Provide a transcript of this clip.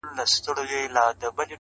ځوان د تکي زرغونې وني نه لاندي-